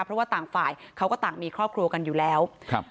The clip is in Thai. เพราะว่าต่างฝ่ายเขาก็ต่างมีครอบครัวกันอยู่แล้วครับ